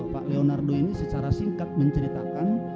pak leonardo ini secara singkat menceritakan